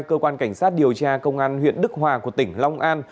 cơ quan cảnh sát điều tra công an huyện đức hòa của tỉnh long an